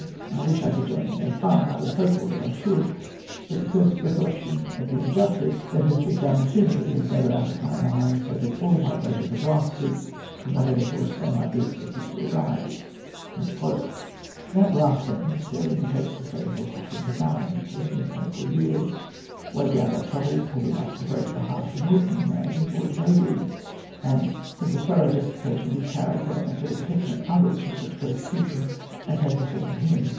I wish I could join in their fun. I was hopeful that I should; but the cursed recollection of the injustice that has been done to me is never out of my mind; so that all my pleasures are blasted, from whatever source they might be expected to arise." That last sentence fairly indicates the state of Lord Cochrane's mind during these painful years. Weighed down by troubles heavy enough to break the heart of an ordinary man, he fought nobly for the thorough justification of his character and for the protection of others from such persecution as had befallen him.